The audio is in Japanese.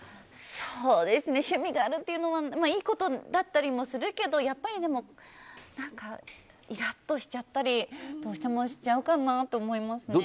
趣味があるっていうのはいいことだったりもするけどやっぱり、何かイラッとしちゃったりどうしてもしちゃうかなと思いますね。